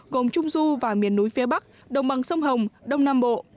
gồm trung du và miền núi phía bắc đồng bằng sông hồng đông nam bộ